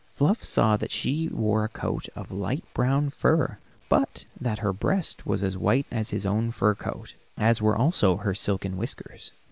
Fluff saw that she wore a coat of light brown fur, but that her breast was as white as his own fur coat, as were also her silken whiskers.